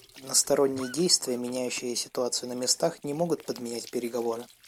Односторонние действия, меняющие ситуацию на местах, не могут подменять переговоры.